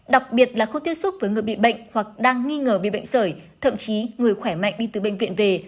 đặc biệt là không tiếp xúc với người bị bệnh hoặc đang nghi ngờ bị bệnh sởi thậm chí người khỏe mạnh đi từ bệnh viện về